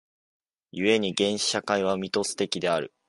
故に原始社会はミトス的である。